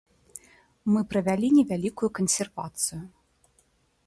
Мы правялі невялікую кансервацыю.